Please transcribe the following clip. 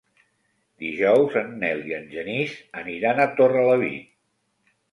Dijous en Nel i en Genís aniran a Torrelavit.